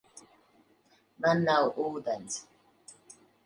Man nav ūdens.